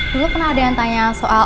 dulu pernah ada yang tanya soal